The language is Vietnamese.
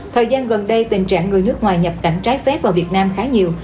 thời gian gần đây tình trạng người nước ngoài nhập cảnh trái phép vào việt nam khá nhiều